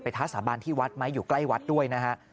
ท้าสาบานที่วัดไหมอยู่ใกล้วัดด้วยนะฮะ